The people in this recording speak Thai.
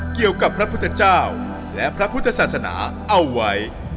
เกี่ยวกับพระพุทธเจ้าและพระพุทธศาสนาเอาไว้